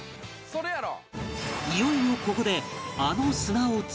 それやろ。